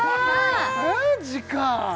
マジかえ？